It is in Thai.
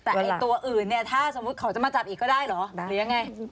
แต่ตัวอื่นถ้าสมมุติเขาจะมาจับอีกก็ได้หรืออย่างไร